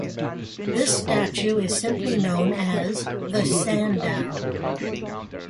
This statue is simply known as "The Sandow".